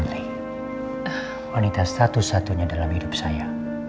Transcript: dan hanya satu satunya wanita dalam hidup saya